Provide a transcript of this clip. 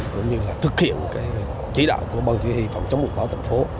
cũng như là thực hiện cái chỉ đạo của bân chí hị phòng chống bộ báo tổng phố